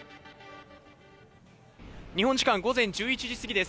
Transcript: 日本時間午前１１時過ぎです。